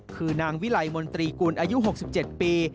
คือนางวิลัยมนตรีกุลอายุ๖๗ปี